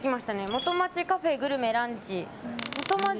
元町、カフェ、グルメ、ランチ。